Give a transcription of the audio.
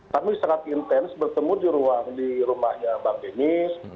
kami sangat intens bertemu di ruang di rumahnya bang dennis